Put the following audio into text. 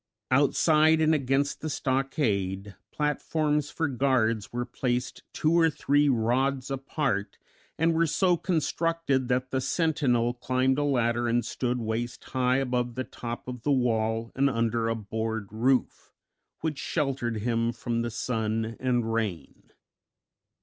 Outside and against the stockade platforms for guards were placed two or three rods apart, and were so constructed that the sentinel climbed a ladder and stood waist high above the top of the wall and under a board roof, which sheltered him from the sun and rain.